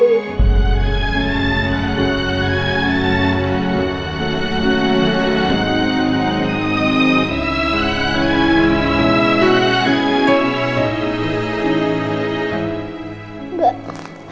aku mau pulih ngerah